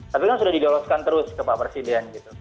tapi kan sudah didoloskan terus ke pak presiden